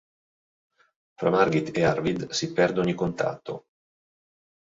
Fra Margit ed Arvid si perde ogni contatto.